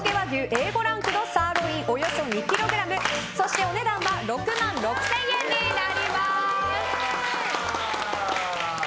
Ａ５ランクのサーロインおよそ２ｋｇそしてお値段は６万６０００円です。